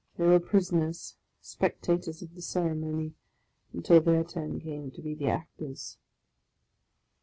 They were prisoners, spectators of the ceremony, until their turn came to be the actors.